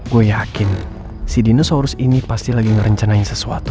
gua yakin si dinosaurus ini pasti lagi merencanain sesuatu